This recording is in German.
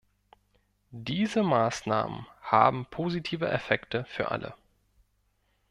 Diese Maßnahmen haben positive Effekte für alle.